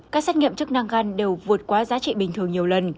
các xét nghiệm chức năng gan đều vượt quá giá trị bình thường nhiều lần